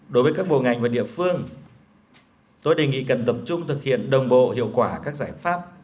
đối với các bộ ngành và địa phương tôi đề nghị cần tập trung thực hiện đồng bộ hiệu quả các giải pháp